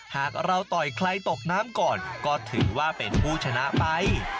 หากเราต่อยใครตกน้ำก่อนก็ถือว่าเป็นผู้ชนะไป